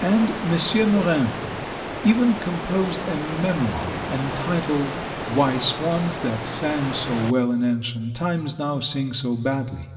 And M. Morin even composed a memoir, entitled "Why swans that sang so well in ancient times now sing so badly."